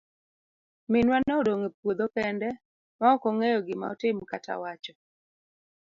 Minwa ne odong' e puodho kende ma okong'eyo gima otim kata wacho.